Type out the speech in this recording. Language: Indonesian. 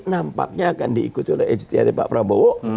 nampaknya akan diikut oleh ejtihadnya pak prabowo